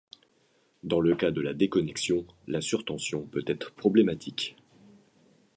Dans le cas de la déconnexion, la surtension peut être problématique.